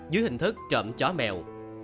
dưới hình thức trộm chó mèo